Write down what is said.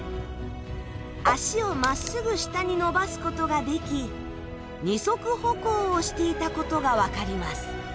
あしを真っ直ぐ下に伸ばすことができ二足歩行をしていたことがわかります。